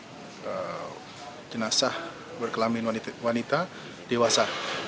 jenazah berkelamin wanita dewasa